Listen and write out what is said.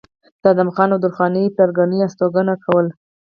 د ادم خان او درخانۍ پلرګنو استوګنه کوله